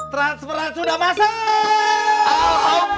transferat sudah masak